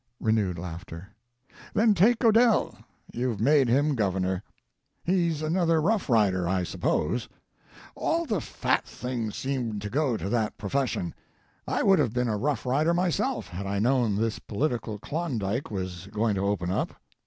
[Renewed laughter.] "Then take Odell; you've made him Governor. He's another Rough Rider, I suppose; all the fat things seem to go to that profession. I would have been a Rough Rider myself had I known this political Klondike was going to open up.